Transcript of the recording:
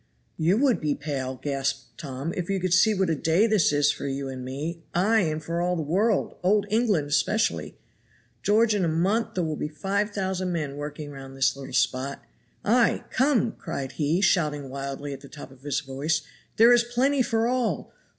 "You would be pale," gasped Tom, "if you could see what a day this is for you and me, ay! and for all the world, old England especially. George, in a month there will be five thousand men working round this little spot. Ay! come," cried he, shouting wildly at the top of his voice, "there is plenty for all.